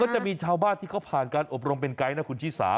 จะมีชาวบ้านที่เขาผ่านการอบรมเป็นไกด์นะคุณชิสา